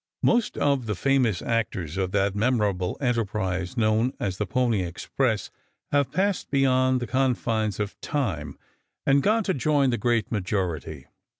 Most of the famous actors in that memorable enterprise known as the Pony Express have passed beyond the confines of time and gone to join the great majority.